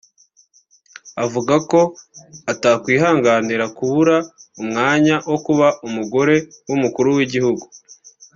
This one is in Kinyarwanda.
avuga ko atakwihanganira kubura umunya wo kuba umugore w’umukuru w’igihugu